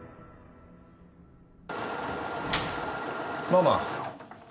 ママ。